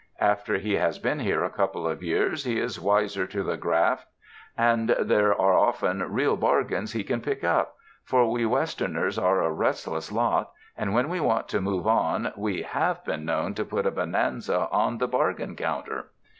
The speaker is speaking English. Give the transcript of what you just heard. After he has been here a couple of years he is wiser to the graft and there are often real bargains he can pick up — for we Westerners are a restless lot and when we want to move on we have been known to put a bonanza on the bargain counter."